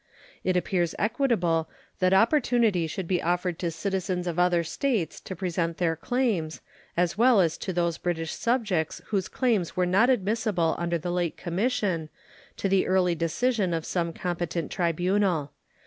It appears equitable that opportunity should be offered to citizens of other states to present their claims, as well as to those British subjects whose claims were not admissible under the late commission, to the early decision of some competent tribunal.